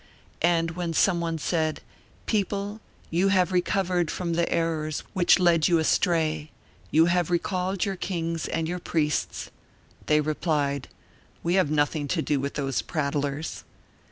And when some one said: "People, you have recovered from the errors which led you astray; you have recalled your kings and your priests," they replied: "We have nothing to do with those prattlers."